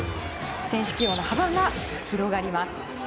選手起用の幅が広がります。